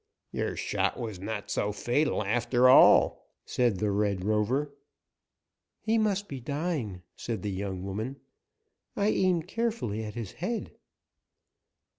"Your shot was not so fatal, after all," said the Red Rover. "He must be dying," said the young woman. "I aimed carefully at his head."